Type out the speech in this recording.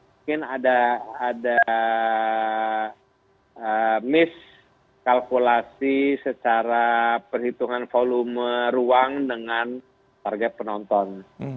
mungkin ada miss kalkulasi secara perhitungan volume ruang dengan target penonton